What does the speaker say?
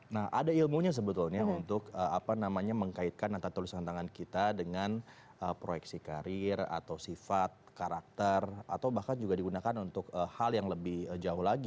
nah ada ilmunya sebetulnya untuk mengkaitkan antara tulisan tangan kita dengan proyeksi karir atau sifat karakter atau bahkan juga digunakan untuk hal yang lebih jauh lagi